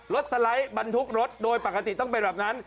สไลด์บรรทุกรถโดยปกติต้องเป็นแบบนั้น